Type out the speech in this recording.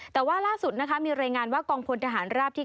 แต่ว่าล่าสุดนะคะมีรายงานว่ากองพลทหารราบที่๙